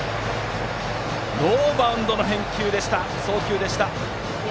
ノーバウンドの送球でした。